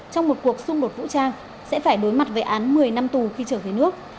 trong một cuộc xung đột vũ trang sẽ phải đối mặt với án một mươi năm tù khi trở về nước